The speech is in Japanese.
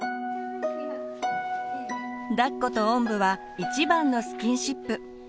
だっことおんぶは一番のスキンシップ。